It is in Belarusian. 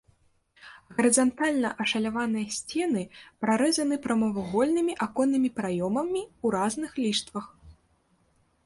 Гарызантальна ашаляваныя сцены прарэзаны прамавугольнымі аконнымі праёмамі ў разных ліштвах.